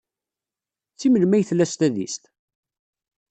Seg melmi ay tella s tadist?